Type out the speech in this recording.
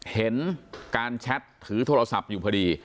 เห็นการแชทถือโทรศัพท์อยู่พอดี